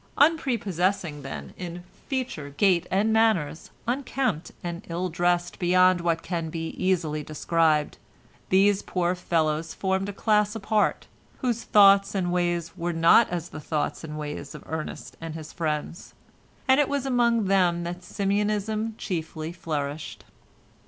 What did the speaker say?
Unprepossessing then, in feature, gait and manners, unkempt and ill dressed beyond what can be easily described, these poor fellows formed a class apart, whose thoughts and ways were not as the thoughts and ways of Ernest and his friends, and it was among them that Simeonism chiefly flourished.